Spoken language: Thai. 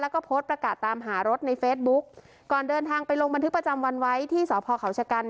แล้วก็โพสต์ประกาศตามหารถในเฟซบุ๊กก่อนเดินทางไปลงบันทึกประจำวันไว้ที่สพเขาชะกัน